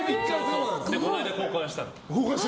この間、交換したの。